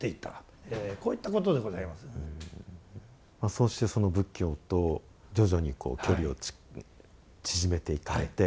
そうしてその仏教と徐々にこう距離を縮めていかれて。